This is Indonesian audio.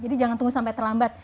jadi jangan tunggu sampai terlambat